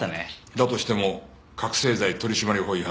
だとしても覚せい剤取締法違反だ。